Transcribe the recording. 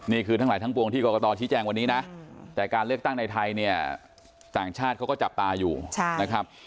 นี่คือทั้งหลายทั้งปวงที่กรกตชี้แจงวันนี้นะแต่การเลือกตั้งในไทยเนี่ยต่างชาติเขาก็จับตาอยู่นะครับ